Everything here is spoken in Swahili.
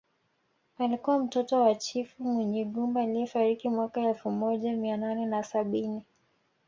Alikuwa mtoto wa chifu Munyigumba aliyefariki mwaka elfu moja mia nane na sabini